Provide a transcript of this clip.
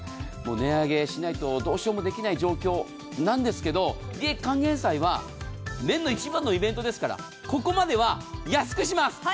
値上げしないとどうしようもできない状況なんですが利益還元祭は年の一番のイベントですからここまでは安くします。